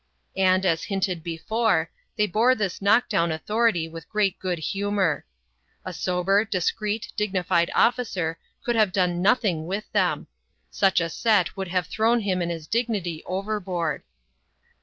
And, as hinted before, they bore this knock down authority with great good humour. A sober, discreet, dignified officer could have done nothing with them ; such a set would have thrown him and his dignity over board.